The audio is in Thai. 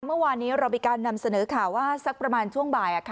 เมื่อวานนี้เรามีการนำเสนอข่าวว่าสักประมาณช่วงบ่าย